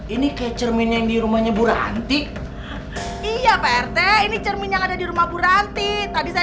ini kayak cermin yang di rumahnya bu ranti iya prt ini cermin yang ada di rumah bu ranti tadi saya